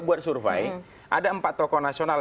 buat survei ada empat tokoh nasional